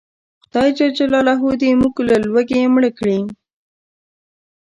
خدای ج دې موږ له لوږې مړه کړي